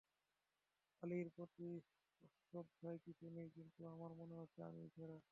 আলীর প্রতি অশ্রদ্ধার কিছু নেই, কিন্তু আমার মনে হচ্ছে আমিই সেরা।